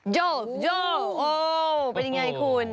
โชว์โชว์โอ้เป็นอย่างไรคุณ